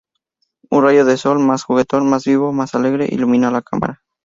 un rayo de sol más juguetón, más vivo, más alegre, ilumina la cámara